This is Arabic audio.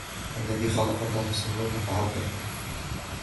الَّذِي خَلَقَكَ فَسَوَّاكَ فَعَدَلَكَ